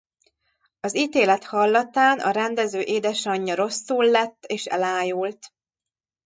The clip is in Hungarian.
Az ítélet hallatán a rendező édesanyja rosszul lett és elájult.